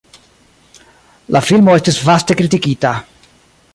La filmo estis vaste kritikita.